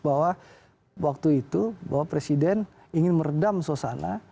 bahwa waktu itu presiden ingin meredam susana